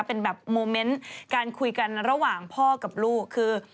เป็นแบบโมเมนต์การคุยกันระหว่างพ่อกับลูกคือ